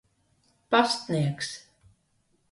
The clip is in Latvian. Pastnieks